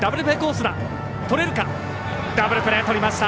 ダブルプレー、とりました。